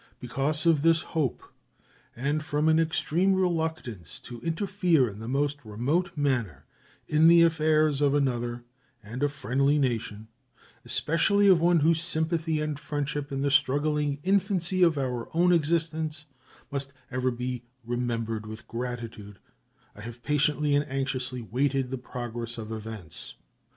Because of this hope, and from an extreme reluctance to interfere in the most remote manner in the affairs of another and a friendly nation, especially of one whose sympathy and friendship in the struggling infancy of our own existence must ever be remembered with gratitude, I have patiently and anxiously waited the progress of events.